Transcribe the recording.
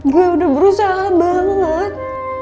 gue udah berusaha banget